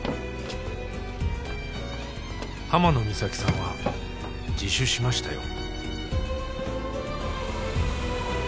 浜野美咲さんは自首しましたよ。